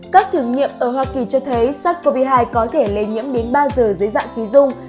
các thử nghiệm ở hoa kỳ cho thấy sars cov hai có thể lây nhiễm đến ba giờ dưới dạng khí dung